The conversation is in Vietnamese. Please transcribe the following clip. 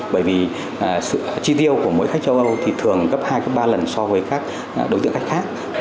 bởi vì sự chi tiêu của mỗi khách châu âu thì thường gấp hai ba lần so với các đối tượng khách khác